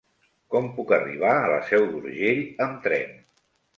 Com puc arribar a la Seu d'Urgell amb tren?